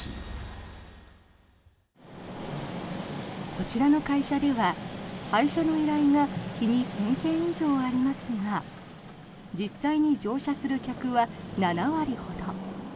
こちらの会社では配車の依頼が日に１０００件以上ありますが実際に乗車する客は７割ほど。